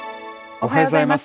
おはようございます。